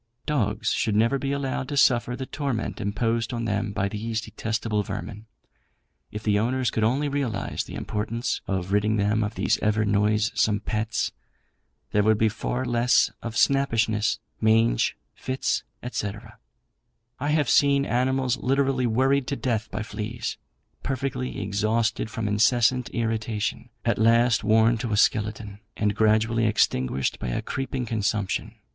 Dogs should never be allowed to suffer the torment imposed on them by these detestable vermin. If the owners could only realise the importance of ridding them of these ever noisome pests, there would be far less of snappishness, mange, fits, &c. I have seen animals literally worried to death by fleas, perfectly exhausted from incessant irritation, at last worn to a skeleton, and gradually extinguished by a creeping consumption.